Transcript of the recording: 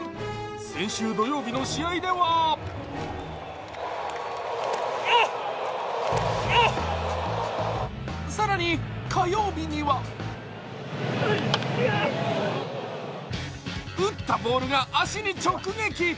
先週土曜日の試合では更に火曜日には打ったボールが足に直撃！